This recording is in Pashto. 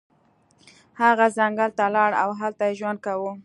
هغه ځنګل ته لاړ او هلته یې ژوند کاوه.